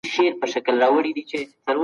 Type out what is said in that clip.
عدالت باید د ټولنې په هره برخه کي وي.